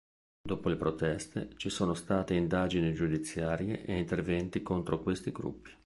Dopo le proteste ci sono state indagini giudiziarie e interventi contro questi gruppi.